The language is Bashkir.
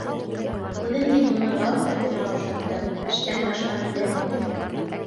Үҙем бит уны бал ҡортона оҡшаттым: эштән башҡаны белмәй.